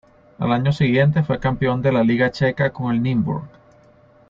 Al año siguiente fue campeón de la Liga Checa con el Nymburk.